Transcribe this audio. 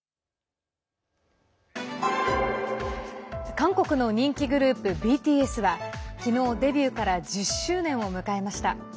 韓国の人気グループＢＴＳは昨日デビューから１０周年を迎えました。